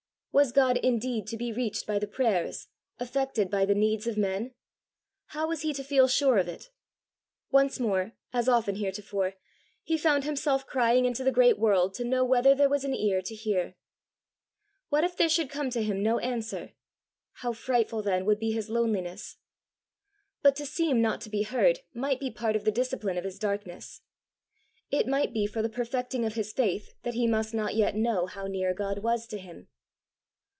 Was God indeed to be reached by the prayers, affected by the needs of men? How was he to feel sure of it? Once more, as often heretofore, he found himself crying into the great world to know whether there was an ear to hear. What if there should come to him no answer? How frightful then would be his loneliness! But to seem not to be heard might be part of the discipline of his darkness! It might be for the perfecting of his faith that he must not yet know how near God was to him!